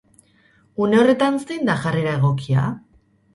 Une horretan zein da jarrera egokia?